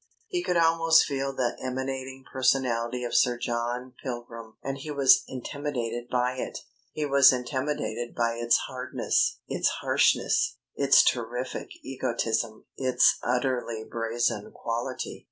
He could almost feel the emanating personality of Sir John Pilgrim, and he was intimidated by it; he was intimidated by its hardness, its harshness, its terrific egotism, its utterly brazen quality.